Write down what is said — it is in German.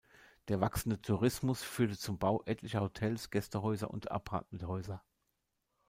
Der wachsende Tourismus führte zum Bau etlicher Hotels, Gästehäuser und Apartmenthäuser.